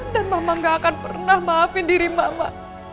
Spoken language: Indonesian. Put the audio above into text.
dan mama gak akan pernah maafin diri mama